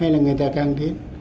hay là người ta căng thiết